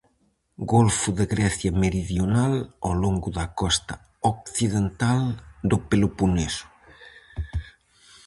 Golfo de Grecia meridional, ao longo da costa occidental do Peloponeso.